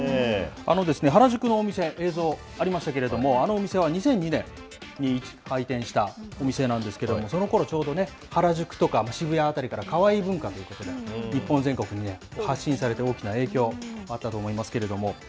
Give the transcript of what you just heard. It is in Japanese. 原宿のお店、映像ありましたけれども、あのお店は２００２年に開店したお店なんですけれども、そのころ、ちょうどね、原宿とか渋谷辺りからカワイイ文化ということで、日本全国に発信されて、大きな影響あったと思いますけれども。